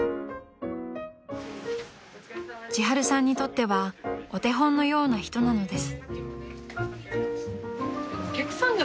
［ちはるさんにとってはお手本のような人なのです］